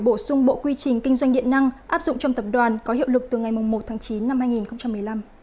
bổ sung bộ quy trình kinh doanh điện năng áp dụng trong tập đoàn có hiệu lực từ ngày một tháng chín năm hai nghìn một mươi năm